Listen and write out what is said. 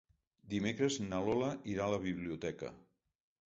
Dimecres na Lola irà a la biblioteca.